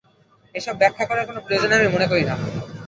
এসব ব্যাখ্যা করার কোনো প্রয়োজন আমি মনে করি না।